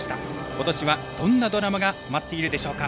ことしは、どんなドラマが待っているでしょうか。